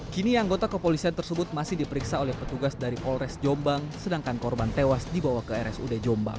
kini anggota kepolisian tersebut masih diperiksa oleh petugas dari polres jombang sedangkan korban tewas dibawa ke rsud jombang